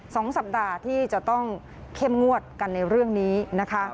สองสัปดาห์ที่จะต้องเข้มงวดกันในเรื่องนี้นะคะ